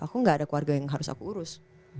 aku gak ada keluarga yang harus aku urus